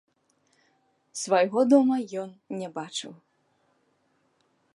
Свайго дома ён не бачыў.